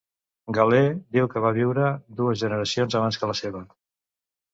Galè diu que va viure dues generacions abans que la seva.